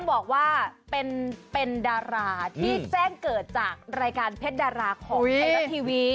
บอกว่าเป็นดาราที่แจ้งเกิดจากรายการเพชรดาราของไทยรัฐทีวี